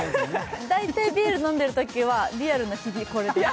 大体ビール飲んでるときはリアルな日比、これです。